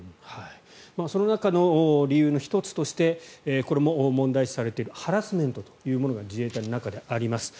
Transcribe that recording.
その中の理由の１つとしてこれも問題視されているハラスメントというものが自衛隊の中であります。